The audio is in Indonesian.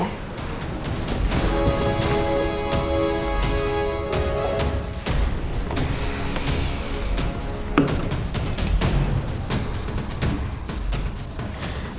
gak ada apa apa